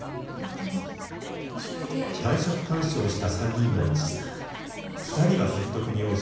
退職勧奨をした３人のうち２人は説得に応じましたが。